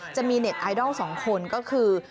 จะมีเน็ตไอดอล๒คนก็คือ